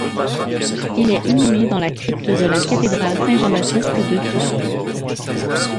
Il est inhumé dans la crypte de la Cathédrale Saint-Jean-Baptiste de Turin.